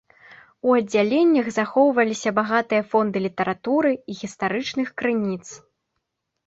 У аддзяленнях захоўваліся багатыя фонды літаратуры і гістарычных крыніц.